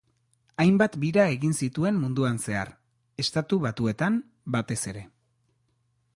Hainbat bira egin zituen munduan zehar, Estatu Batuetan, batez ere.